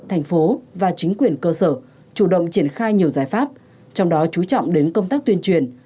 thành phố và chính quyền cơ sở chủ động triển khai nhiều giải pháp trong đó chú trọng đến công tác tuyên truyền